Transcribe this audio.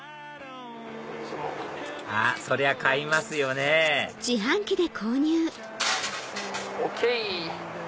そりゃ買いますよねＯＫ！